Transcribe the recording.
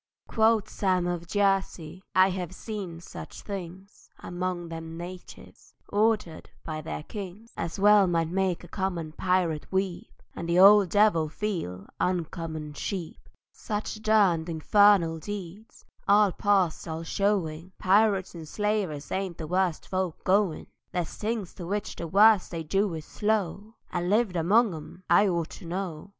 Quoth Sam of Jersey, "I hev seen such things Among them natives, ordered by their kings, As well might make a common pirate weep, And the old devil feel uncommon cheap: Such derned, infernal deeds, and parst all showin', Pirates and slavers ain't the worst folk goin'. There's things to which the worst they do is slow; I've lived among 'em an I ort to know.